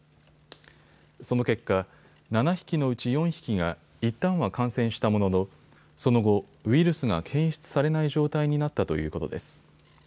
その結果、７匹のうち４匹がいったんは感染したもののその後、ウイルスが検出されない状態になったということです。